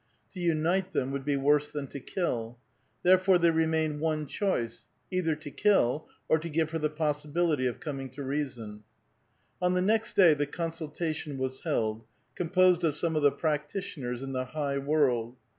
To unite them would be worse than to kill. Therefore there remained one choice, either to kill, or to give her the possibility of coming to reason. On the next day the consultation was held, composed of some of the practitioners in the high world.